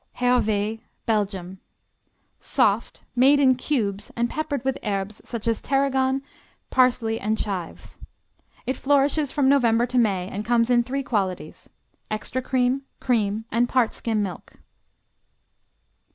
Hervé Belgium Soft; made in cubes and peppered with herbes such as tarragon, parsley and chives. It flourishes from November to May and comes in three qualities: extra cream, cream, and part skim milk.